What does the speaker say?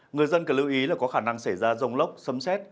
người dân cần lưu ý là có khả năng xảy ra rông lốc sấm xét